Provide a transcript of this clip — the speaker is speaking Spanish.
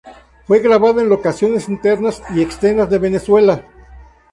Fue grabada en locaciones internas y externas de Venezuela.